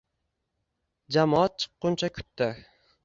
Jamoat chiqkuncha kutdi.